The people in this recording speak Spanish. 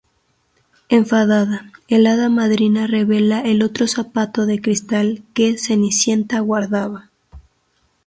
Enfadada, el hada madrina revela el otro zapato de cristal que Cenicienta guardaba.